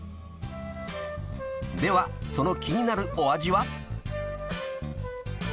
［ではその気になるお味は？］